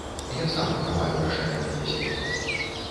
Я сам прымаю рашэнні для сябе.